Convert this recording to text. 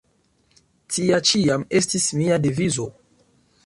Tia ĉiam estis mia devizo.